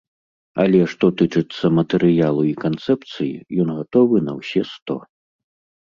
Але, што тычыцца матэрыялу і канцэпцыі, ён гатовы на ўсе сто!